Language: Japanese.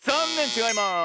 ちがいます。